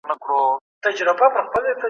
آیا د تیرو پیښو څخه عبرت اخیستل پکار دي؟